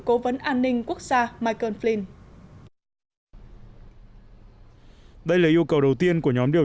cố vấn an ninh quốc gia michael flin đây là yêu cầu đầu tiên của nhóm điều